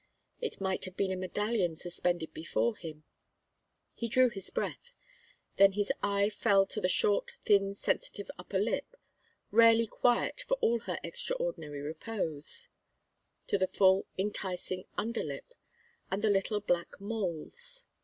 It might have been a medallion suspended before him. He drew in his breath; then his eye fell to the short thin sensitive upper lip, rarely quiet for all her extraordinary repose; to the full enticing under lip, and the little black moles.